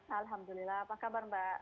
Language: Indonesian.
alhamdulillah apa kabar mbak